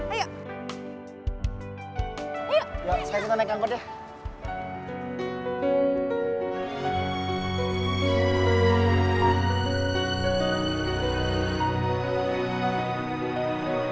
ayo meminjam dari sini